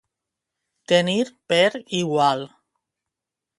Tenir per igual.